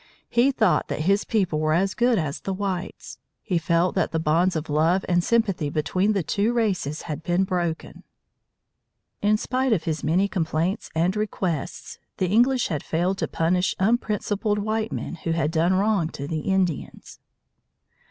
He thought that his people were as good as the whites. He felt that the bonds of love and sympathy between the two races had been broken. In spite of his many complaints and requests, the English had failed to punish unprincipled white men who had done wrong to the Indians.